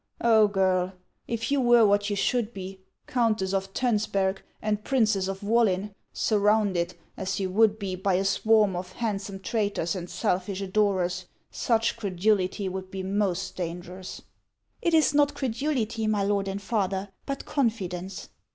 " Oh, girl, if you were what you should be, Countess of Tonsberg and Princess of Wollin, surrounded, as you would be, by a swarm of handsome traitors and selfish adorers, such credulity would be most dangerous." " It is not credulity, my lord and father, but confidence."